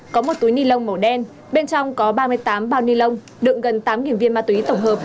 có một túi ni lông màu đen bên trong có ba mươi tám bao ni lông đựng gần tám viên ma túy tổng hợp